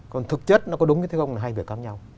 còn thực chất nó có đúng hay không là hai việc khác nhau